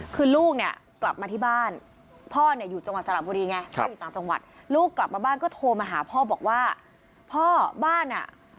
คือลูกกลับมาที่บ้านพ่ออยู่ต่างจังหวัดจังหวัด